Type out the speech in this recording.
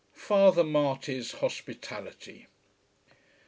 FATHER MARTY'S HOSPITALITY.